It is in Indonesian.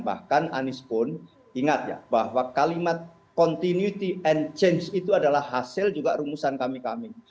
bahkan anies pun ingat ya bahwa kalimat continuity and change itu adalah hasil juga rumusan kami kami